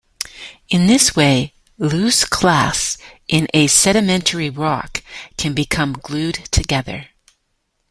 In this way, loose clasts in a sedimentary rock can become "glued" together.